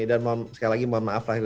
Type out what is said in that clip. dan sekali lagi mohon maaf lahir batin